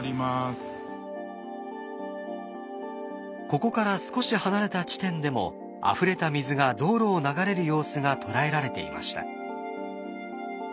ここから少し離れた地点でもあふれた水が道路を流れる様子が捉えられていました。